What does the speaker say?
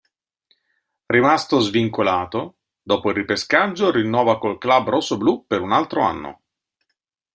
Rimasto svincolato, dopo il ripescaggio rinnova col club rossoblù per un altro anno.